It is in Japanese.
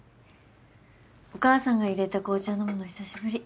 お母さんが入れた紅茶飲むの久しぶり。